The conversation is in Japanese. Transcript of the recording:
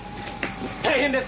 大変です！